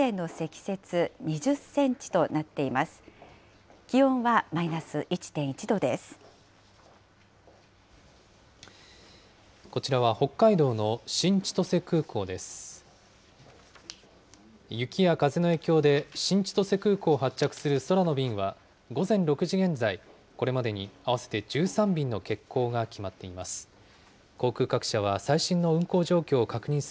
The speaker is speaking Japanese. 雪や風の影響で、新千歳空港を発着する空の便は、午前６時現在、これまでに合わせて１３便の欠航が決まっています。